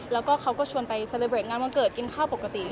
แล้วก็เขาก็ชวนไปเซเลเวทงานวันเกิดกินข้าวปกติ